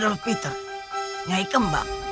tuan adolf peter nyai kembang